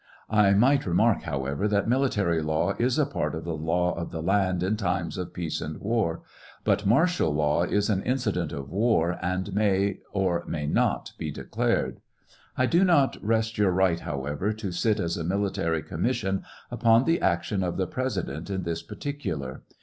I might remark, however, tha.t military law is a part of the law oi the land in times of peace and war ; hut martial law is an incident of war, and may or may not be declared. I do not rest your right, however, to sit as a mili tary commission, upon the action of the President in this particular.